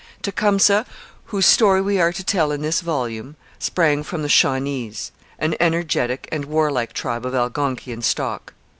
Tecumseh, whose story we are to tell in this volume, sprang from the Shawnees, an energetic and warlike tribe of Algonquian stock.